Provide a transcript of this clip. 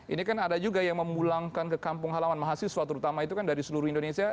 ini kan ada juga yang memulangkan ke kampung halaman mahasiswa terutama itu kan dari seluruh indonesia